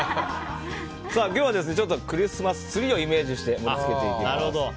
今日はちょっとクリスマスツリーをイメージして盛り付けていきます。